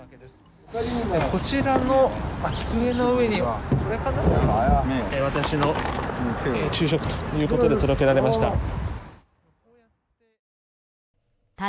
こちらの机の上に私の昼食ということで届けられました。